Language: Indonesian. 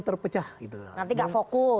terpecah nanti enggak fokus